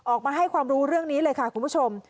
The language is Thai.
ออกมาให้ความรู้เรื่องนี้เลยค่ะคุณผู้ชม